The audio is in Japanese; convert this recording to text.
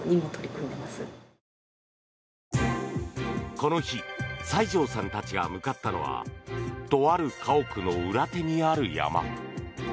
この日西條さんたちが向かったのはとある家屋の裏手にある山。